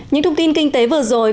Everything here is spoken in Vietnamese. những thông tin kinh tế vừa rồi